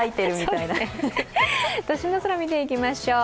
都心の空を見ていきましょう。